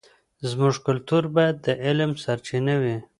زموږ کلتور باید د علم سرچینه وي.